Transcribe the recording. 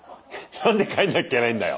何で帰んなきゃいけないんだよ。